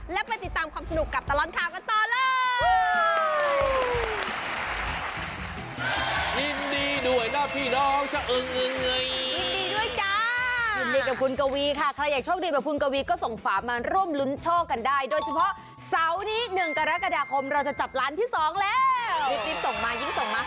และไปติดตามความสนุกกับตลอดข่าวกันต่อเลย